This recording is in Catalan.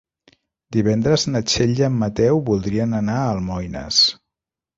Divendres na Txell i en Mateu voldrien anar a Almoines.